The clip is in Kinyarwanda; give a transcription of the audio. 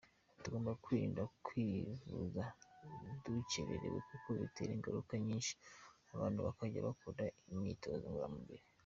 Tugomba kwirinda kwivuza dukererewe kuko bitera ingaruka nyinshi, abantu bakajya bakora n’imyitozo ngororamubiri.